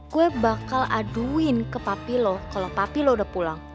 gue bakal aduin ke papi lo kalau papi lo udah pulang